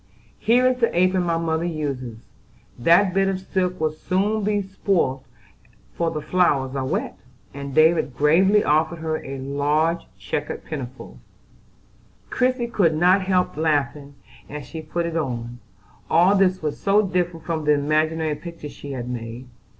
"Here is the apron my mother uses, that bit of silk will soon be spoilt, for the flowers are wet," and David gravely offered her a large checked pinafore. Christie could not help laughing as she put it on: all this was so different from the imaginary picture she had made.